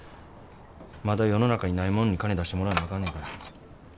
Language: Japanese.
まだ世の中にないもんに金出してもらわなあかんねんから。